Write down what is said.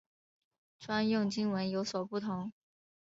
专用经文有所不同。